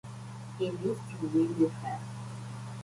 He needs to win this round.